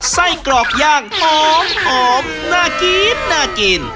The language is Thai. ไส้กรอกย่างออมน่ากิน